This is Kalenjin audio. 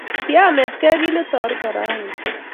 kianetgei kit netorton rauni